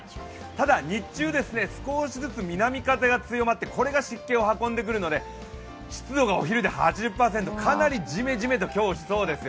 ただ日中少しずつ南風が強まってこれが湿気を運んでくるので湿度がお昼で８０％今日かなりジメジメとしそうです